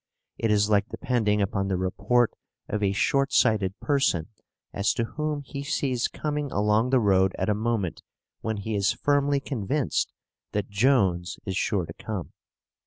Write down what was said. It is like depending upon the report of a shortsighted person as to whom he sees coming along the road at a moment when he is firmly convinced that Jones is sure to come.